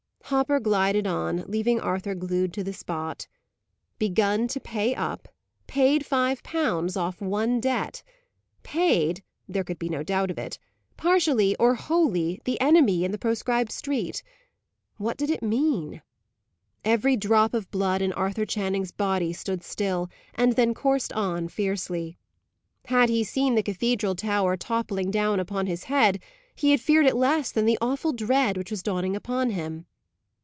Hopper glided on, leaving Arthur glued to the spot. Begun to pay up! Paid five pounds off one debt! Paid (there could be no doubt of it) partially, or wholly, the "enemy" in the proscribed street! What did it mean? Every drop of blood in Arthur Channing's body stood still, and then coursed on fiercely. Had he seen the cathedral tower toppling down upon his head, he had feared it less than the awful dread which was dawning upon him.